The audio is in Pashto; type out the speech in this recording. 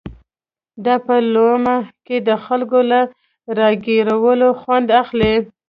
دا په لومه کې د خلکو له را ګيرولو خوند اخلي.